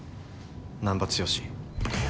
難破剛。